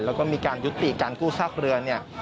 แล้วก็มีการยุติการกู้ซากเรือเนี่ย